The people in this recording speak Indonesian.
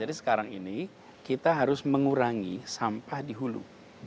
jadi sekarang ini kita harus mengurangi sampah di hulu